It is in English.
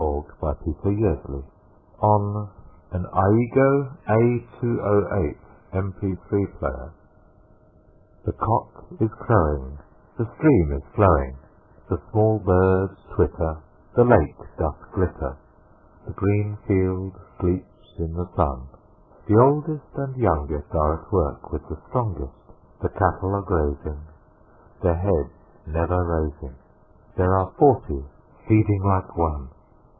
William Wordsworth Written in March THE cock is crowing, The stream is flowing, The small birds twitter, The lake doth glitter The green field sleeps in the sun; The oldest and youngest Are at work with the strongest; The cattle are grazing, Their heads never raising; There are forty feeding like one!